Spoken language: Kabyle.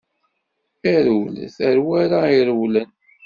A rewlet a w'ara irewlen!